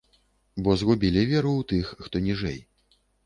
Бо згубілі веру ў тых, хто ніжэй.